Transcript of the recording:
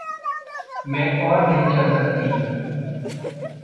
मैं और नहीं चल सकती।